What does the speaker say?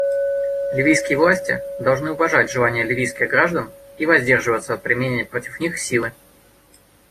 Ливийские власти должны уважать желание ливийских граждан и воздерживаться от применения против них силы.